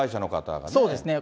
そうですね。